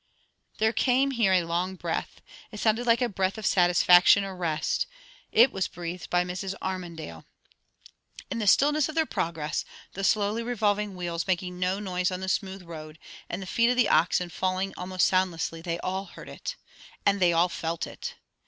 There came here a long breath, it sounded like a breath of satisfaction or rest; it was breathed by Mrs. Armadale. In the stillness of their progress, the slowly revolving wheels making no noise on the smooth road, and the feet of the oxen falling almost soundlessly, they all heard it; and they all felt it.